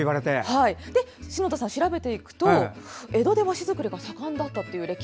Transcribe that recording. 篠田さんが調べていくと江戸で和紙作りが盛んだったということ